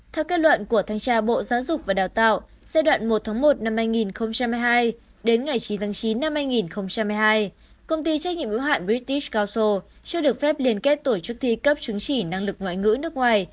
theo kết luận của thành tra bộ giáo dục và đào tạo giai đoạn một một hai nghìn một mươi hai đến ngày chín chín hai nghìn một mươi hai công ty trách nhiệm ưu hạn british council chưa được phép liên kết tổ chức thi cấp chứng chỉ năng lực ngoại ngữ nước ngoài